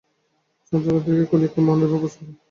চঞ্চলতা দেখে কলিকা আমার মনের ভাব বুঝতে পারলে।